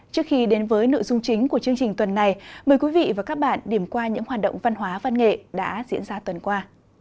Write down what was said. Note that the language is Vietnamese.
trước khi đến với nội dung chính của chương trình tuần này mời quý vị và các bạn điểm qua những hoạt động văn hóa văn nghệ đã diễn ra tuần qua